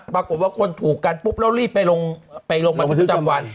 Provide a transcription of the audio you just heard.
ปรากฏว่าคนถูกกันปุ๊บแล้วรีบไปลงมาถูกจำวัน